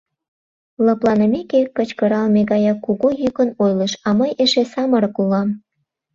Лыпланымеке, кычкыралме гаяк кугу йӱкын ойлыш: — А мый эше самырык улам!